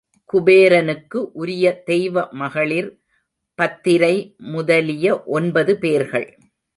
குபேரனுக்கு உரிய தெய்வ மகளிர் பத்திரை முதலிய ஒன்பது பேர்கள்.